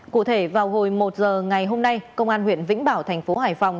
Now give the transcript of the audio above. cụ thể vào hồi một giờ ngày hôm nay công an huyện vĩnh bảo tp hải phòng